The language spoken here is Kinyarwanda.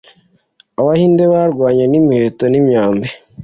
Abahinde barwanye n'imiheto n'imyambi